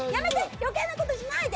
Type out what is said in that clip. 余計な事しないで！